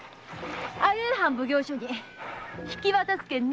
相生藩奉行所に引き渡すけんね。